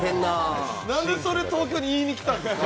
なんで、それ東京に言いに来たんですか？